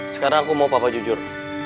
sekarang aku mau papa jujur